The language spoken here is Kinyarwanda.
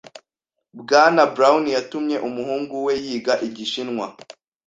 Bwana Brown yatumye umuhungu we yiga Igishinwa.